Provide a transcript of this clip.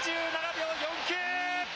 ３７秒４９。